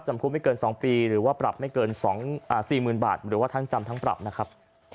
จำคุกไม่เกิน๒ปีหรือว่าปรับไม่เกิน๔๐๐๐บาทหรือว่าทั้งจำทั้งปรับนะครับ